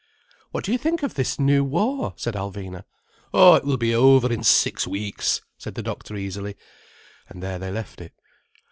"What do you think of this new war?" said Alvina. "Oh, it will be over in six weeks," said the doctor easily. And there they left it.